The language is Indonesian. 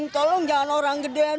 tolong jangan orang gedean